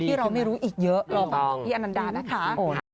ที่เราไม่รู้อีกเยอะลองฟังของพี่อันนดานะคะ